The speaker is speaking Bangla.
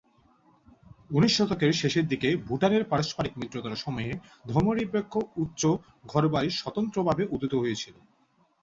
উনিশ শতকের শেষের দিকে ভুটানের পারস্পরিক মিত্রতার সময়ে ধর্মনিরপেক্ষ উচ্চ ঘরবাড়ি স্বতন্ত্রভাবে উদিত হয়েছিল।